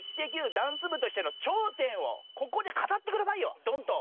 ダンス部としての頂点をここで語ってくださいよドンと。